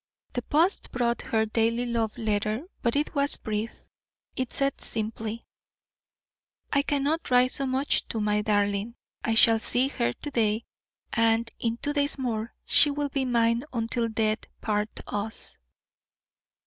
The post brought her her daily love letter; but it was brief. It said simply: "I cannot write much to my darling. I shall see her to day, and, in two days more, she will be mine until death parts us."